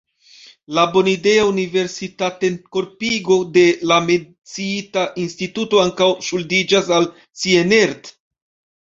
La bonidea universitatenkorpigo de la menciita instituto ankaŭ ŝuldiĝas al Sienerth.